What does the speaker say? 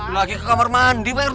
lagi ke kamar mandi pak rt